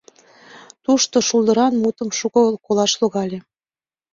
Тушто шулдыран мутым шуко колаш логале.